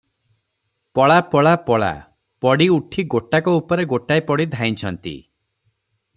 ପଳା- ପଳା- ପଳା! ପଡ଼ି ଉଠି ଗୋଟାକ ଉପରେ ଗୋଟାଏ ପଡ଼ି ଧାଇଁଛନ୍ତି ।